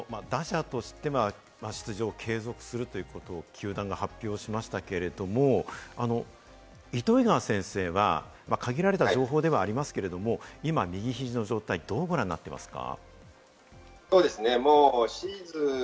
打者として出場を継続すると球団が発表しましたけれども、糸魚川先生は限られた情報ではありますけれども、今、右肘の状態、どうご覧になっていますか？